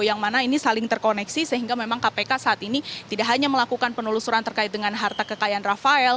yang mana ini saling terkoneksi sehingga memang kpk saat ini tidak hanya melakukan penelusuran terkait dengan harta kekayaan rafael